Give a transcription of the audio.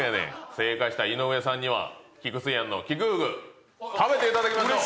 正解した井上さんには「喜久水庵」の「喜久福」食べていただきましょう。